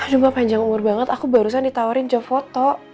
aduh gue panjang umur banget aku barusan ditawarin ke foto